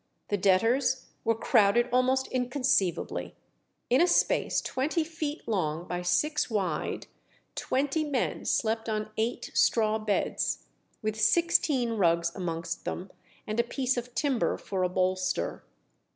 The debtors were crowded almost inconceivably. In a space twenty feet long by six wide, twenty men slept on eight straw beds, with sixteen rugs amongst them, and a piece of timber for a bolster.